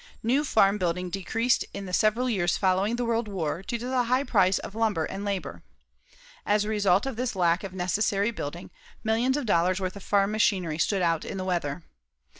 New farm building decreased in the several years following the World War, due to the high price of lumber and labor. As a result of this lack of necessary building, millions of dollars worth of farm machinery stood out in the weather.